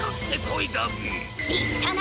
いったな！